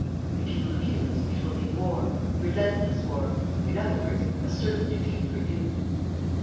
"If you refuse, it will be war, relentless war; in other words, a certain defeat for you."